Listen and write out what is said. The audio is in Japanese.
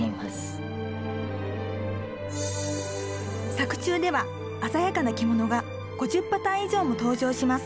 作中では鮮やかな着物が５０パターン以上も登場します。